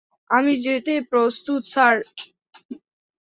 আমি যেতে প্রস্তুত স্যার।